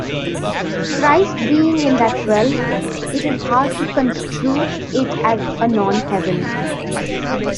Christ being in that realm, it is hard to construe it as a non-heaven.